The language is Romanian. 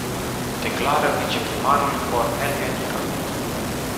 Declară viceprimarul Cornel Ionică.